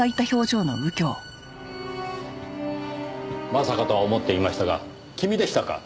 まさかとは思っていましたが君でしたか。